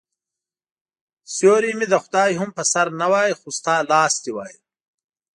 سیوری مې د خدای هم په سر نه وای خو ستا لاس دي وای